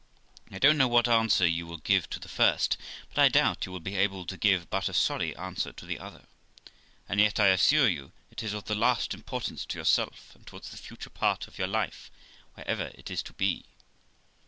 I don't know what answer you will give to the first, but I doubt you will be able to give but a sorry answer to the other, and yet, I assure you, it is of the last importance to yourself, and towards the future part of your life, wherever it is to be.'